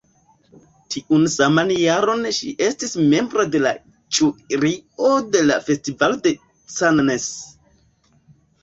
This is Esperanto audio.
Tiun saman jaron ŝi estis membro de la Ĵurio de la Festivalo de Cannes.